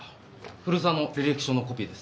古沢の履歴書のコピーです。